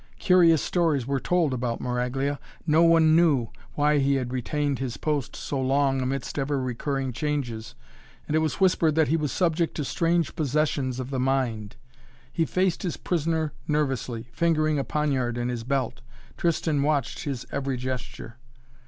Curious stories were told about Maraglia. No one knew, why he had retained his post so long amidst ever recurring changes, and it was whispered that he was subject to strange possessions of the mind. He faced his prisoner nervously, fingering a poniard in his belt. Tristan watched his every gesture.